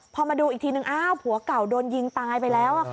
พอมาดูอีกทีนึงอ้าวผัวเก่าโดนยิงตายไปแล้ว